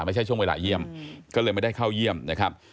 ไม่ใช่ช่วงเวลาเยี่ยมก็เลยไม่ได้เข้าเยี่ยมนะครับ